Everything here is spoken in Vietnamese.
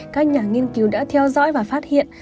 các nhà nghiên cứu đã theo dõi và phát hiện